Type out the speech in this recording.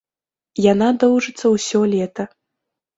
Яна доўжыцца ўсё лета.